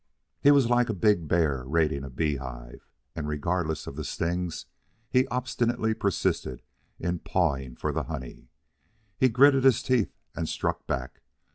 He was like a big bear raiding a bee hive and, regardless of the stings, he obstinately persisted in pawing for the honey. He gritted his teeth and struck back.